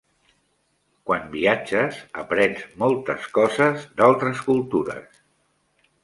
Quan viatges aprens moltes coses d'altres cultures.